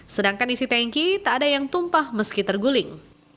sedangkan isi tanki tak ada yang tumpah meski terguling